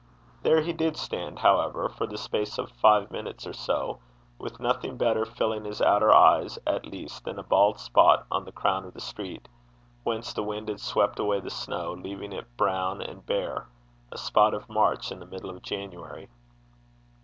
There he did stand, however, for the space of five minutes or so, with nothing better filling his outer eyes at least than a bald spot on the crown of the street, whence the wind had swept away the snow, leaving it brown and bare, a spot of March in the middle of January.